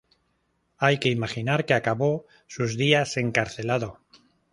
Hay que imaginar que acabó sus días encarcelado.